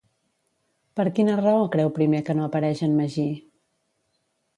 Per quina raó creu primer que no apareix en Magí?